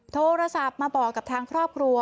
โทรศัพท์มาบอกกับทางครอบครัว